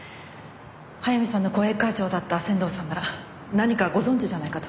早見さんの後援会長だった仙堂さんなら何かご存じじゃないかと。